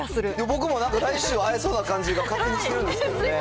僕もなんか、来週会えそうな感じが勝手にしてるんですけどね。